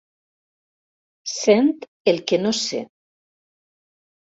Sent el que no sé.